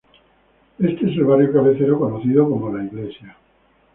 Este es el barrio cabecero conocido como La Iglesia.